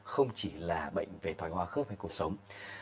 không chỉ là bệnh về tòi hoa khớp hay cuộc sống